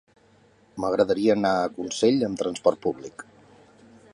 M'agradaria anar a Consell amb transport públic.